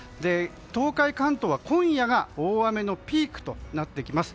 東海・関東は今夜が大雨のピークとなってきます。